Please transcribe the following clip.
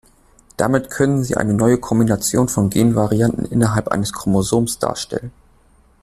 Damit können sie eine neue Kombination von Genvarianten innerhalb eines Chromosoms darstellen.